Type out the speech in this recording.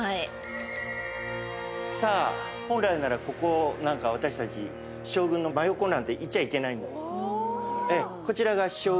本来ならここなんか私たち将軍の真横なんていちゃいけない。